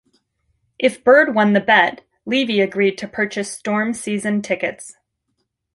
If Bird won the bet, Levy agreed to purchase Storm season tickets.